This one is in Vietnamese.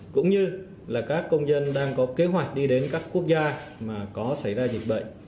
cũng như là các công dân đang có kế hoạch đi đến các quốc gia mà có xảy ra dịch bệnh